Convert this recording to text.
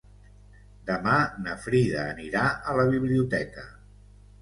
Demà na Frida anirà a la biblioteca.